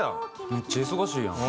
めっちゃ忙しいやん。